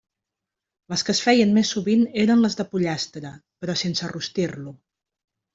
Les que es feien més sovint eren les de pollastre, però sense rostir-lo.